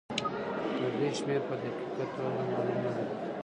د دوی شمېر په دقيقه توګه معلوم نه دی.